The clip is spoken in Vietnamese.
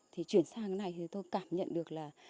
thì chuyển sang cái này thì tôi cảm nhận được là